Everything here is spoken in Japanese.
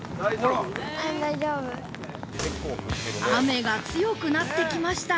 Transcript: ◆雨が強くなってきました。